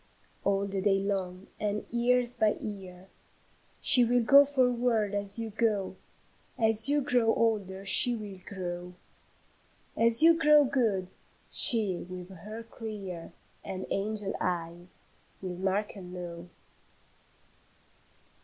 "All the day long, and year by year, She will go forward as you go; As you grow older, she will grow; As you grow good, she with her clear And angel eyes, will mark and know.